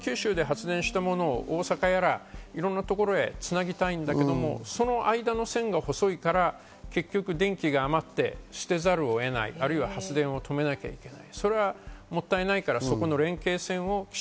本当は九州で発電したものを大阪やいろんなところにつなぎたいんだけど、その間の線が細いから結局電気が余って捨てざるをえない、あるいは発電を止めなきゃいけない。